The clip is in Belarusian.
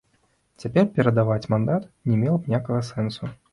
Цяпер перадаваць мандат не мела б ніякага сэнсу.